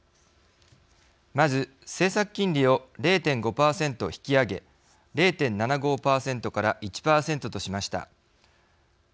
まず、政策金利を０．５％引き上げ０．７５％から１％としました。